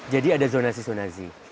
jadi ada zonasi zonasi